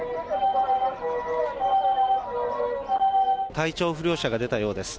体調不良者が出たようです。